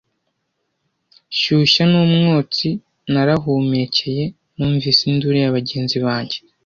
Shyushya n'umwotsi narahumekeye, numvise induru ya bagenzi banjye,